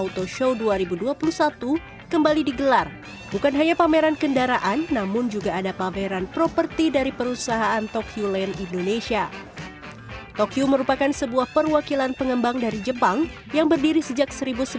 tidak sekedar menghadirkan sebuah perwakilan pengembang dari jepang yang berdiri sejak seribu sembilan ratus tujuh puluh lima